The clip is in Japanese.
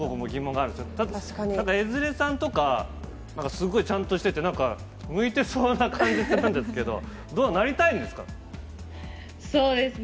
なんか江連さんとか、なんかすごいちゃんとしてて、向いてそうな感じするんですけど、なりたいんですか？